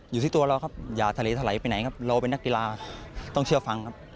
อยู่ที่ตัวเราครับอย่าทะเลถลายไปไหนครับเราเป็นนักกีฬาต้องเชื่อฟังครับ